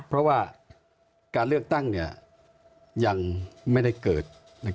เพราะว่าการเลือกตั้งยังไม่ได้เกิด